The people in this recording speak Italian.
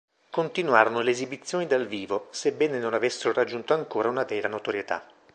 Continuarono le esibizioni dal vivo, sebbene non avessero raggiunto ancora una vera notorietà.